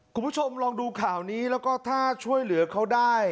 คุณผู้ชมลองดูข่าวนี้แล้วก็ถ้าช่วยเหลือเขาได้